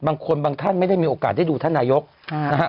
บางคนบางท่านไม่ได้มีโอกาสได้ดูท่านนายกนะฮะ